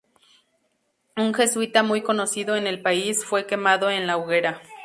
Un jesuita muy conocido en el país fue quemado en la hoguera.